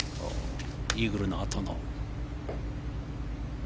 イーグルのあとの。